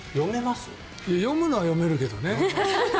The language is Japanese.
読むのは読めるけどね。